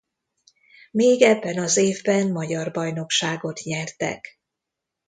Még ebben az évben magyar bajnokságot nyertek.